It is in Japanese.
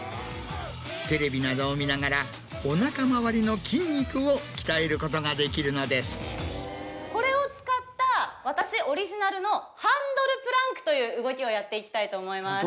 テレビなどを見ながらおなかまわりの筋肉を鍛えることができるのです。という動きをやっていきたいと思います。